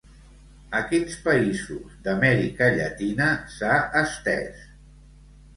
A quins països d'Amèrica Llatina s'ha estès?